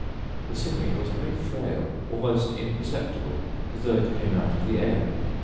The singing was very frail, almost imperceptible, as though it came out of the air.